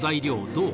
銅